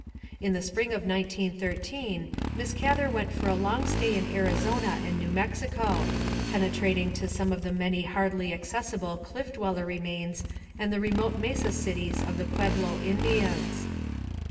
In the spring of 1913 Miss Gather went for a long stay in Arizona and New Mexico, penetrating to some of the many hardly accessible Cliff Dweller remains and the remote mesa cities of the Pueblo Indians.